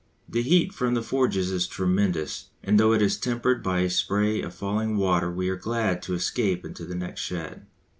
The heat from the forges is tremendous, and though it is tempered by a spray of falling water we are glad to escape into the next shed.